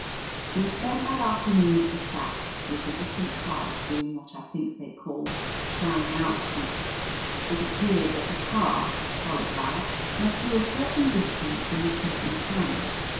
We spent that afternoon at the track, with the different cars doing what I think they called "trying out heats." It appeared that a car, to qualify, must do a certain distance in a certain time.